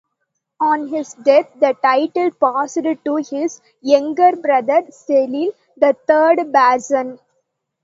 On his death the title passed to his younger brother Cecil, the third Baron.